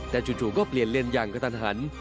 แต่จู่ก็เปลี่ยนเลนยังกันต้านหัน